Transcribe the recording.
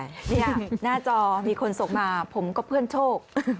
นี่หน้าจอมีคนส่งมาผมก็เพื่อนโชค